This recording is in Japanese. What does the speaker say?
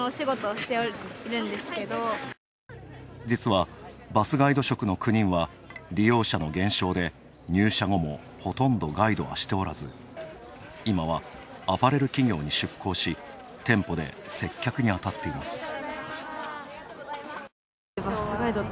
実は、バスガイド職の９人は利用者の減少で入社後もほとんどガイドはしておらず今は、アパレル企業に出向し、店舗で接客に当たっています。